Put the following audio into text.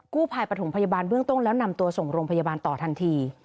ภายปฐมพยาบาลเบื้องต้นแล้วนำตัวส่งโรงพยาบาลต่อทันที